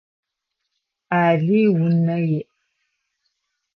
Алый унэ иӏ.